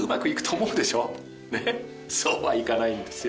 そうはいかないんですよ。